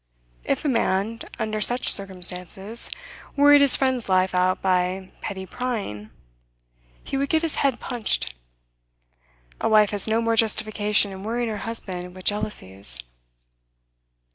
If a man, under such circumstances, worried his friend's life out by petty prying, he would get his head punched. A wife has no more justification in worrying her husband with jealousies.